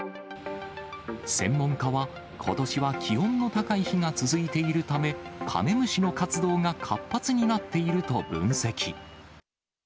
専門家は、ことしは気温の高い日が続いているため、カメムシの活動が活発になっていると分析。